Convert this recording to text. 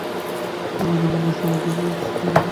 আর সামনে বসিয়ে আমার দিকে একদৃষ্ট চেয়ে সমাধিস্থ হয়ে পড়লেন।